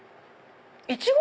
イチゴ？